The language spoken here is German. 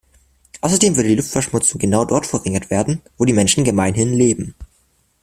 Außerdem würde die Luftverschmutzung genau dort verringert werden, wo die Menschen gemeinhin leben.